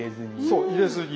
そう入れずに。